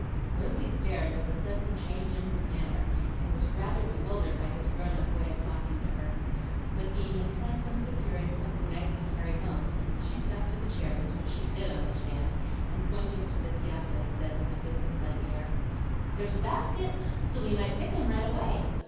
Rosy stared at the sudden change in his manner, and was rather bewildered by his grown up way of talking to her. But being intent on securing something nice to carry home, she stuck to the cherries, which she DID understand, and pointing to the piazza said with a business like air, "There's a basket; so we might pick 'em right away.